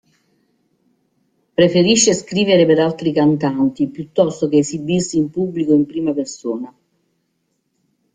Preferisce scrivere per altri cantanti piuttosto che esibirsi in pubblico in prima persona.